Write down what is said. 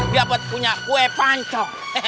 dapat punya kue panco